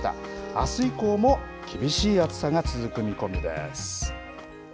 あす以降も厳しい暑さが続く見込みです。